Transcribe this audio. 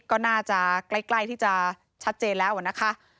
ก็น่าจะใกล้ที่จะชัดเจนแล้วนะคะ